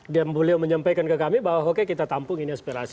beliau menyampaikan ke kami bahwa oke kita tampung ini aspirasi